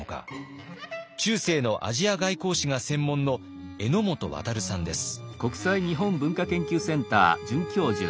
中世のアジア外交史が専門の榎本渉さんです。